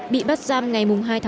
bị bắt giam ngay từ tây ban nha